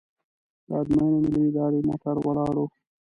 د ازموینې ملي ادارې موټر ولاړ و.